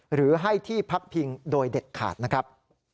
หรือให้ที่พักพิงโดยเด็ดขาดนะครับ